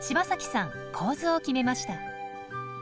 構図を決めました。